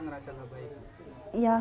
kenapa tidak baik